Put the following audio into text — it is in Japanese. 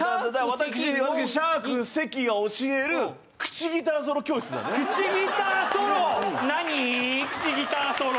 私、シャーク関が教える口ギターソロ。